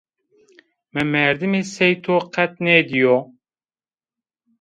Mi merdimê sey to qet nêdîyo